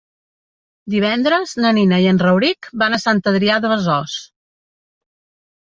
Divendres na Nina i en Rauric van a Sant Adrià de Besòs.